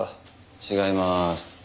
違いまーす。